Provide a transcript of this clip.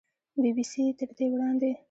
بي بي سي تر دې وړاندې